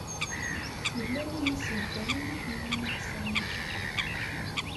Yella win i s-iheḍṛen i Ḥemmu n At Sɛid.